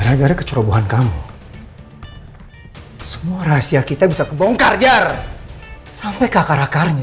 kamau tahu gara gara kecurabuan kamu semua rahasia kita bisa kebongkar jar sampe ke akar akarnya